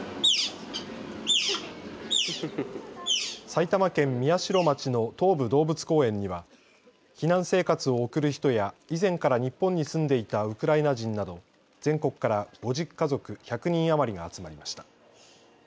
埼玉県宮代町の東武動物公園には避難生活を送る人や以前から日本に住んでいたウクライナ人など全国から５０家族１００人余りが集まりました。